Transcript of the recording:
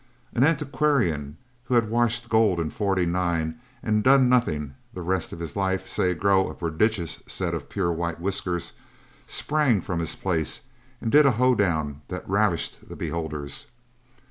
An antiquarian who had washed gold in '49 and done nothing the rest of his life save grow a prodigious set of pure white whiskers, sprang from his place and did a hoe down that ravished the beholders.